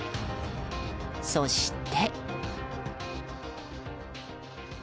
そして。